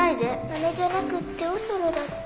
マネじゃなくっておそろだって。